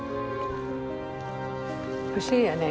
不思議やね。